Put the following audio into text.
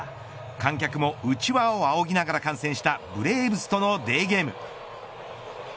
観客もうちわをあおぎながら観戦したブレーブスとのデーゲーム。